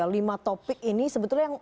lima topik ini sebetulnya yang